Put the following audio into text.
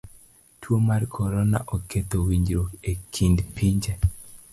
Tuo mar korona oketho winjruok e kind pinje.